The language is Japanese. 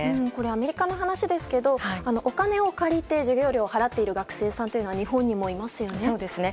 アメリカの話ですけどお金を借りて授業料を払っている学生さんというのは日本にもいますよね。